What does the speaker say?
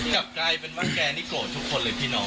กลับกลายเป็นว่าแกนี่โกรธทุกคนเลยพี่น้อง